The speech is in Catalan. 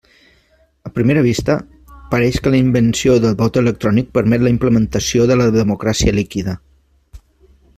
A primera vista, pareix que la invenció del vot electrònic permet la implementació de la democràcia líquida.